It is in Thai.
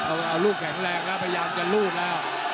เอาลูกแข็งแรงแล้วพยายามจะรูดแล้ว